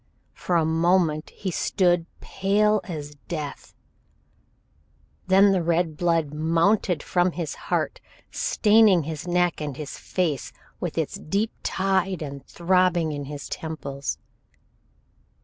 For a moment he stood pale as death, then the red blood mounted from his heart, staining his neck and his face with its deep tide and throbbing in his temples.